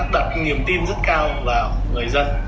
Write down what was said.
đặt niềm tin rất cao vào người dân